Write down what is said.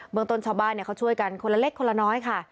เมืองต้นชาวบ้านเขาช่วยกันคนละเล็กคนละน้อยค่ะ